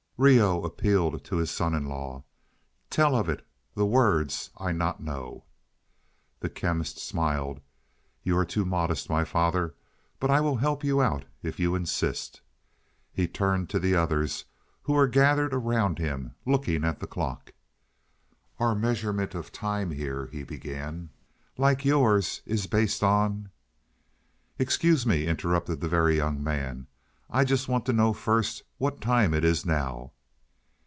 Reoh appealed to his son in law. "To tell of it the words I know not." The Chemist smiled. "You are too modest, my father. But I will help you out, if you insist." He turned to the others, who were gathered around him, looking at the clock. "Our measurement of our time here," he began, "like yours, is based on " "Excuse me," interrupted the Very Young Man. "I just want to know first what time it is now?"